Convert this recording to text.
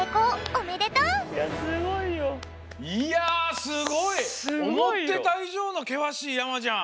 おもってたいじょうのけわしいやまじゃん！